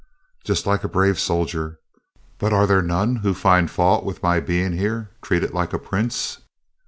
"Just like a brave soldier; but are there none who find fault with my being here treated like a prince?"